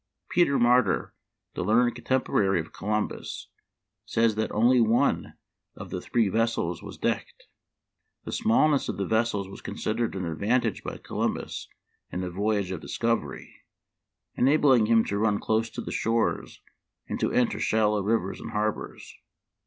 Peter Martyr, the learned contemporary of Columbus, says that only one of the three vessels was decked. The smallness of the vessels was considered an advantage by Columbus in a voyage of discovery, enabling him to run close to the shores and to enter shallow rivers and harbors.